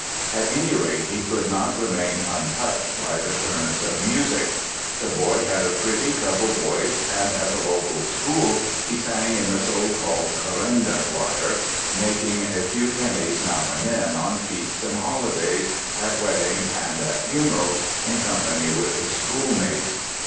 At any rate he could not remain untouched by the currents of music. The boy had a pretty treble voice and at the local school he sang in the so called Currende choir, making a few pennies now and then on feasts and holidays, at weddings and at funerals, in company with his schoolmates.